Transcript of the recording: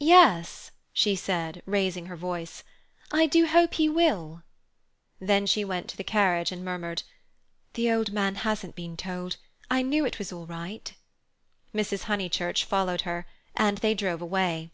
"Yes," she said, raising her voice, "I do hope he will." Then she went to the carriage and murmured, "The old man hasn't been told; I knew it was all right." Mrs. Honeychurch followed her, and they drove away.